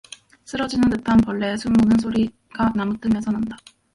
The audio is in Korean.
스러지는 듯한 벌레의 숨 모는 소리가 나무 틈에서 난다.